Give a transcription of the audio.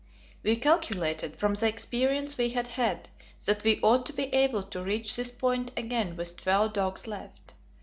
We calculated, from the experience we had had, that we ought to be able to reach this point again with twelve dogs left.